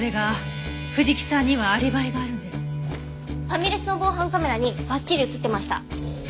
ファミレスの防犯カメラにばっちり映ってました。